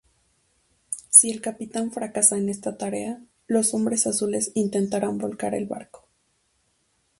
Si el capitán fracasa en esa tarea, los hombres azules intentarán volcar el barco.